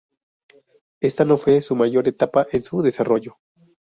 Esta no fue su mayor etapa en su desarrollo.